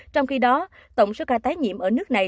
trong khi đó tổng số ca tái nhiễm ở nước này